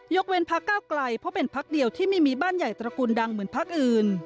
เว้นพักก้าวไกลเพราะเป็นพักเดียวที่ไม่มีบ้านใหญ่ตระกูลดังเหมือนพักอื่น